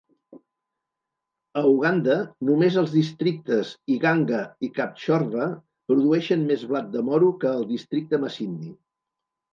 A Uganda, només els districtes Iganga i Kapchorwa produeixen més blat de moro que el districte Masindi.